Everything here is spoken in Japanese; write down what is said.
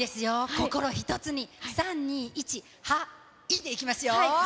心一つに、３、２、１、は、いでいきますよ。